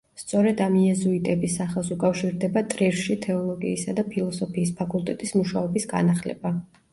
სწორედ ამ იეზუიტების სახელს უკავშირდება ტრირში თეოლოგიისა და ფილოსოფიის ფაკულტეტის მუშაობის განახლება.